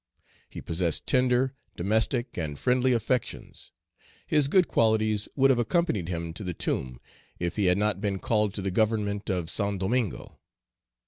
He possessed tender, domestic, and friendly affections. His good qualities would have accompanied him to the tomb if he had not been called to the government of Saint Domingo.